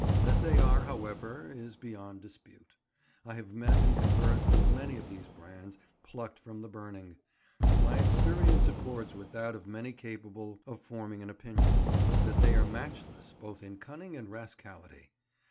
That they are, however, is beyond dispute. I have met and conversed with many of these brands plucked from the burning, and my experience accords with that of many capable of forming an opinion, that they are matchless both in cunning and rascality.